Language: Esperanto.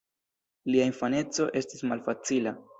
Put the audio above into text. Lia infaneco estis malfacila.